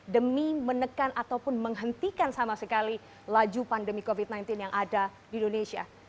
demi menekan ataupun menghentikan sama sekali laju pandemi covid sembilan belas yang ada di indonesia